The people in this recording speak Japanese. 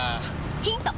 ヒント。